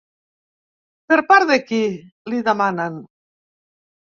Per part de qui?, li demanen.